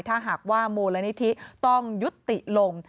ถ้าหากว่ามูลนิธิต้องยุติลง